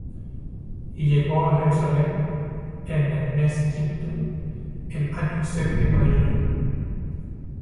Y llegó á Jerusalem en el mes quinto, el año séptimo del rey.